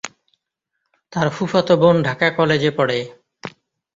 তার ফুফাতো বোন ঢাকা কলেজে পড়ে।